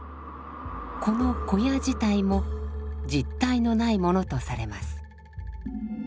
この小屋自体も実体のないものとされます。